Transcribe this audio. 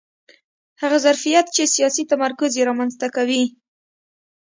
هغه ظرفیت چې سیاسي تمرکز یې رامنځته کوي